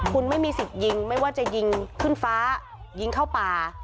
คุณไม่มีสิทธิ์ยิงไม่ว่าจะยิงขึ้นฟ้ายิงเข้าป่า